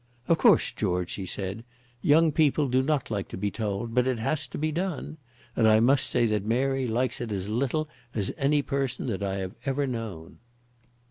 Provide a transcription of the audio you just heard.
"Of course, George," she said, "young people do not like to be told; but it has to be done. And I must say that Mary likes it as little as any person that I have ever known."